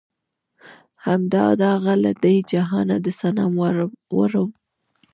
هم دا داغ لۀ دې جهانه د صنم وړم